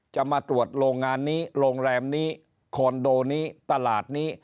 จะมาตรวจโรงงานนี้โรงแรมนี้คอนโดนี้ตลาดนี้